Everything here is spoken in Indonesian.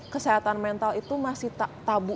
kesehatan mental itu masih tak tabu